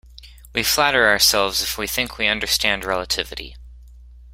We flatter ourselves if we think we understand relativity.